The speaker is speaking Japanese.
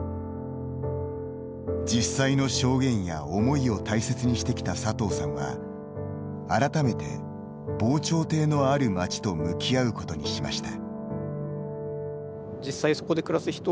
実際の証言や思いを大切にしてきた佐藤さんは改めて、防潮堤のある町と向き合うことにしました。